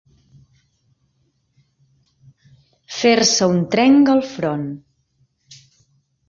Fer-se un trenc al front.